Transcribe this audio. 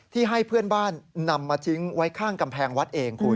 ให้เพื่อนบ้านนำมาทิ้งไว้ข้างกำแพงวัดเองคุณ